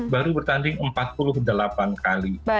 baru bertanding empat puluh delapan kali